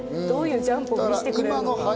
どういうジャンプを見せてくれるのか。